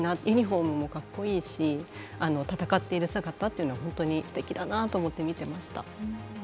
ユニフォームもかっこいいし戦っている姿っていうのは本当にすてきだなと思って見ていました。